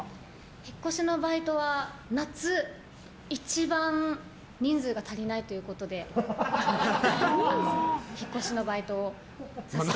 引っ越しのバイトは夏一番人数が足りないということで引っ越しのバイトをさせていただきました。